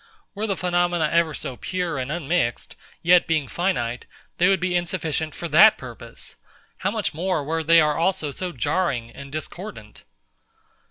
Were the phenomena ever so pure and unmixed, yet being finite, they would be insufficient for that purpose. How much more, where they are also so jarring and discordant!